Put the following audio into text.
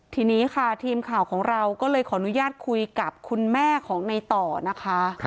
ทีนี้ค่ะทีมข่าวของเราก็เลยขออนุญาตคุยกับคุณแม่ของในต่อนะคะ